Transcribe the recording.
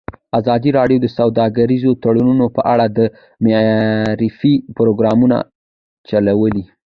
ازادي راډیو د سوداګریز تړونونه په اړه د معارفې پروګرامونه چلولي.